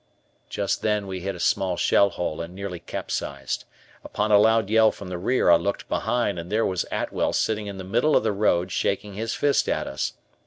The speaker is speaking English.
Just then we hit a small shell hole and nearly capsized. Upon a loud yell from the rear I looked behind, and there was Atwell sitting in the middle of the road, shaking his fist at us.